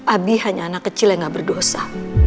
abi hanya anak kecil yang gak berdosa